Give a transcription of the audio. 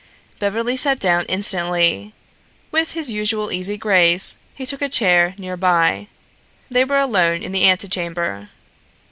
Beverly sat down instantly; with his usual easy grace, he took a chair near by. They were alone in the ante chamber.